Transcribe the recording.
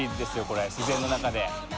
これ自然の中で。